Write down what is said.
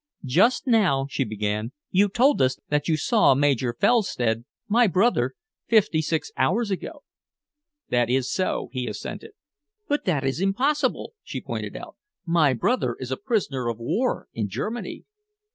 "Just now," she began, "you told us that you saw Major Felstead, my brother, fifty six hours ago." "That is so," he assented. "But it is impossible!" she pointed out. "My brother is a prisoner of war in Germany."